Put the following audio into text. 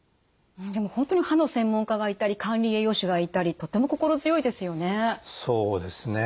でも本当に歯の専門家がいたり管理栄養士がいたりとっても心強いですよね。